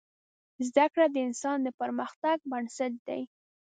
زده کړه د انسان د پرمختګ بنسټ دی.